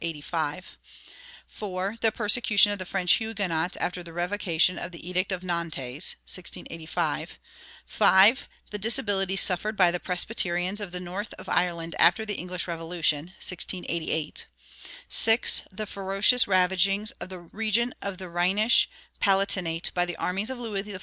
(1660 85); (4) the persecution of the French Huguenots after the revocation of the Edict of Nantes (1685); (5) the disabilities suffered by the Presbyterians of the north of Ireland after the English Revolution (1688); (6) the ferocious ravaging of the region of the Rhenish Palatinate by the armies of Louis XIV.